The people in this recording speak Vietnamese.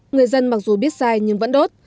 người dân mặc dù biết sai nhưng vẫn đốt